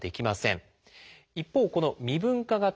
一方この未分化型